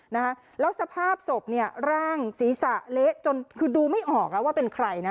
นะคะแล้วสภาพศพเนี่ยร่างศีรษะเละจนคือดูไม่ออกแล้วว่าเป็นใครนะ